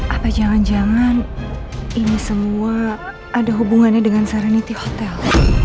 apa jangan jangan ini semua ada hubungannya dengan saraniti hotel